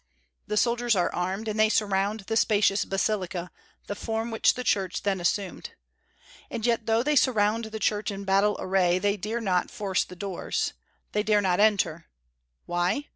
The soldiers are armed, and they surround the spacious basilica, the form which the church then assumed. And yet though they surround the church in battle array, they dare not force the doors, they dare not enter. Why?